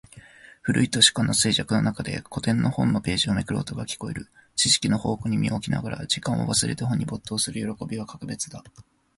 古い図書館の静寂の中で、古典の本のページをめくる音が聞こえる。知識の宝庫に身を置きながら、時間を忘れて本に没頭する喜びは格別だ。